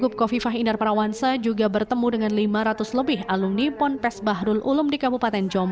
selain itu kofifah juga memperkenalkan salah satu programnya jika terpilih sebagai gubernur alunipon pes baharul umum di kabupaten cikgu